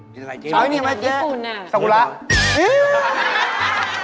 มีอะไรที่นี่แม่ยะซักกุระต้องกินอาหารญี่ปุ่นน่ะ